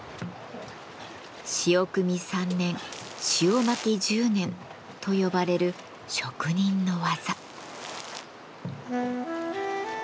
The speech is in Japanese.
「潮くみ３年塩まき１０年」と呼ばれる職人の技。